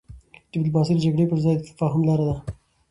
ډيپلوماسي د جګړې پر ځای د تفاهم لاره ده.